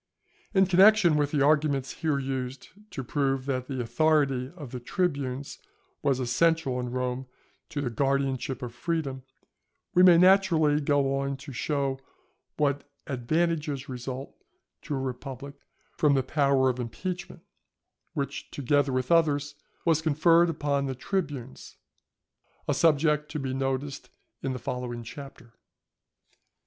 In connection with the arguments here used to prove that the authority of the tribunes was essential in Rome to the guardianship of freedom, we may naturally go on to show what advantages result to a republic from the power of impeachment; which, together with others, was conferred upon the tribunes; a subject to be noticed in the following Chapter.